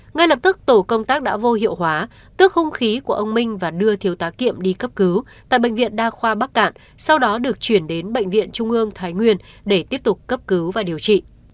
ngay lập tức tổ công tác đã vô hiệu hóa tước hung khí của ông minh và đưa thiếu tá kiệm đi cấp cứu tại bệnh viện đa khoa bắc cạn sau đó được chuyển đến bệnh viện trung ương thái nguyên để tiếp tục cấp cứu và điều trị